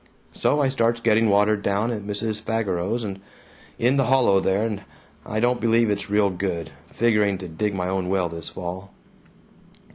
So I starts getting water down at Mrs. Fageros's, in the hollow there, and I don't believe it's real good. Figuring to dig my own well this fall."